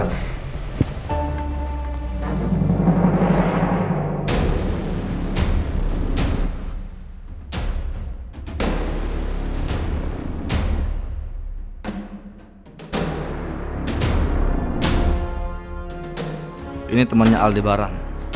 ini ada ini temannya aldebaran